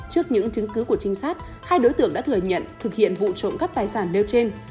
trước những chứng cứ của trinh sát hai đối tượng đã thừa nhận thực hiện vụ trộm cắp tài sản nêu trên